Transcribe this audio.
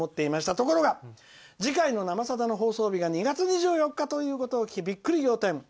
ところが次回の「生さだ」の放送日が２月２４日ということを聞きびっくり仰天！